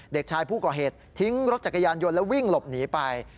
เด็กชายผู้ก่อเหตุทิ้งรถจักรยานยนต์แล้ววิ่งหลบหนีไป